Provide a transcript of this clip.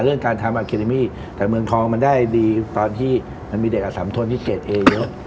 เรื่องการทำแต่เมืองทองมันได้ดีตอนที่มันมีเด็กอสัมทนที่เจ็ดเอเยอะ